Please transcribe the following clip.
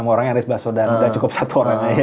enam orang yang resbaso dan udah cukup satu orang aja